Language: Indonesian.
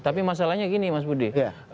tapi masalahnya gini mas budi